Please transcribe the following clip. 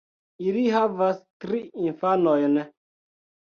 Ili havas tri infanojn.